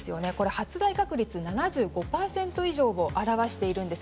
発雷確率７５％以上を表しているんです。